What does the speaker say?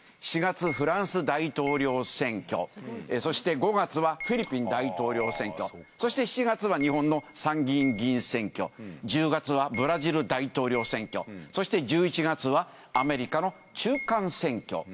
４月フランス大統領選挙そして５月はフィリピン大統領選挙そして７月は日本の参議院議員選挙１０月はブラジル大統領選挙そして１１月はアメリカの中間選挙。